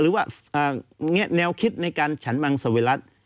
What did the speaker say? หรือว่าแนวคิดในการฉันมังสวิรัติ